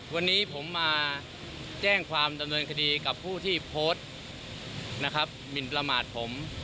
วันนี้ผมมาแจ้งความดำเนินคดีกับผู้ที่โพสต์นะครับหมินประมาทผม